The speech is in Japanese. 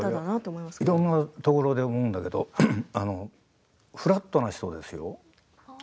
いろんなところで思うんですけどフラットな人ですよ。